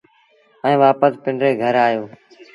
ائيٚݩ وآپس پنڊري گھر آيو۔